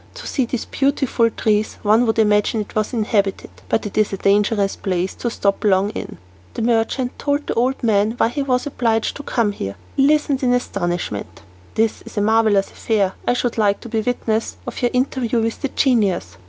To see these beautiful trees one would imagine it was inhabited, but it is a dangerous place to stop long in." The merchant told the old man why he was obliged to come there. He listened in astonishment. "This is a most marvellous affair. I should like to be a witness of your interview with the genius."